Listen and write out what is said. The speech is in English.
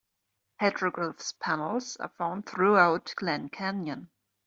Petroglyph panels are found throughout Glen Canyon.